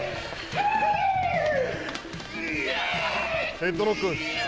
ヘッドロック。